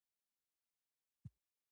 ساقي وویل نه زه به یې خپله وهم او چلاوم.